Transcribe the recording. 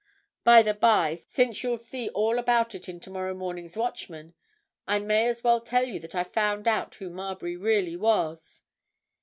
By the by, since you'll see all about it in tomorrow morning's Watchman, I may as well tell you that I've found out who Marbury really was.